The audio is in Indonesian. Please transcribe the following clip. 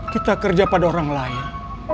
kita kerja pada orang lain